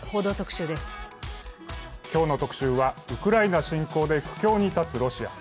今日の特集はウクライナ侵攻で苦境に立つロシア。